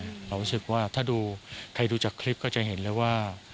รู้สึกว่าถ้าดูใครดูจากคลิปก็จะเห็นเลยว่า